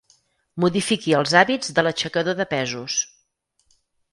Modifiqui els hàbits de l'aixecador de pesos.